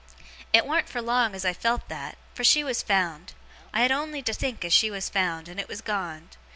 'It warn't for long as I felt that; for she was found. I had on'y to think as she was found, and it was gone.